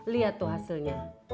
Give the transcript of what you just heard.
liat tuh hasilnya